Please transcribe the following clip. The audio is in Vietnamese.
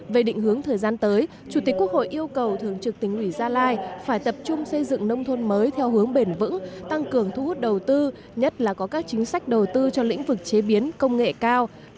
về định hướng thời gian tới chủ tịch quốc hội yêu cầu thường trực tỉnh ủy gia lai phải tập trung xây dựng nông thôn mới theo hướng bền vững tăng cường thu hút đầu tư nhất là có các chính sách đầu tư cho lĩnh vực chế biến công nghệ cao